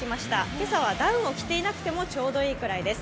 今朝はダウンを着ていてなくてもちょうどいいぐらいです。